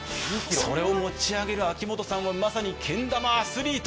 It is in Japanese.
それを持ち上げる秋元さんは、まさにけん玉アスリート。